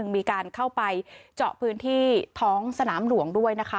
มีการเข้าไปเจาะพื้นที่ท้องสนามหลวงด้วยนะคะ